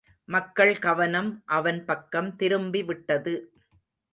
மக்கள் கவனம் அவன் பக்கம் திரும்பி விட்டது.